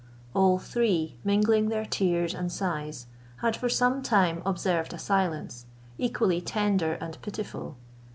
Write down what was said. All three, mingling their tears and sighs, for some time observed a silence, equally tender and pitiful.